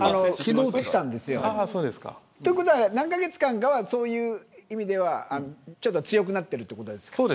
昨日、打ってきたんですよ。ということは何カ月間かはそういう意味ではちょっと強くなってるってことですか。